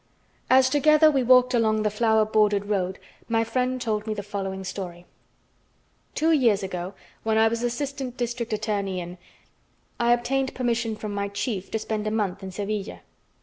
As together we walked along the flower bordered road, my friend told me the following story: Two years ago when I was Assistant District Attorney in , I obtained permission from my chief to spend a month in Sevilla.